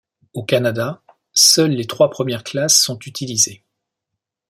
Au Canada, seules les trois premières classes sont utilisées.